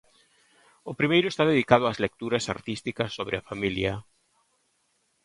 O primeiro está dedicado ás lecturas artísticas sobre a familia.